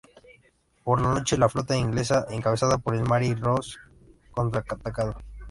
Por la noche, la flota inglesa, encabezada por el "Mary Rose", contraatacó.